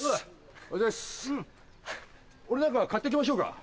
俺何か買ってきましょうか？